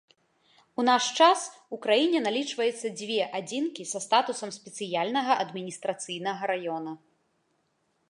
У наш час у краіне налічваецца дзве адзінкі са статусам спецыяльнага адміністрацыйнага раёна.